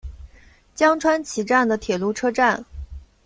江川崎站的铁路车站。